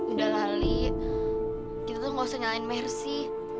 udah lah li kita tuh gak usah nyalain mercy